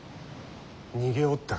逃げおったか。